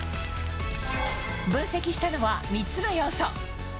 分析したのは３つの要素。